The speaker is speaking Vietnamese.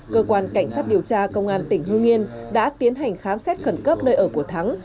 cơ quan cảnh sát điều tra công an tỉnh hương yên đã tiến hành khám xét khẩn cấp nơi ở của thắng